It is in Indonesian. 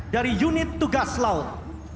dari unit tugas laut